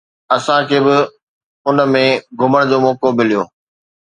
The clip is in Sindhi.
اسان کي به ان ۾ گهمڻ جو موقعو مليو.